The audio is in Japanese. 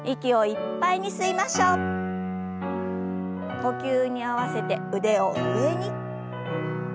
呼吸に合わせて腕を上に。